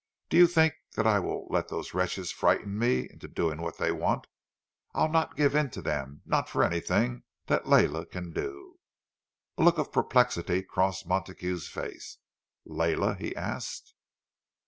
"Do you think that I will let those wretches frighten me into doing what they want? I'll not give in to them—not for anything that Lelia can do!" A look of perplexity crossed Montague's face. "Lelia?" he asked.